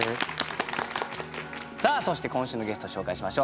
さあそして今週のゲストを紹介しましょう。